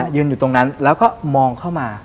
ยืนอยู่ตรงนั้นแล้วก็มองเข้ามา